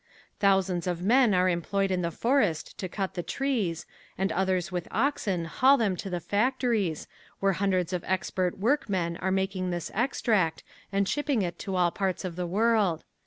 Thousands of men are employed in the forest to cut the trees and others with oxen haul them to the factories where hundreds of expert workmen are making this extract and shipping it to all parts of the world.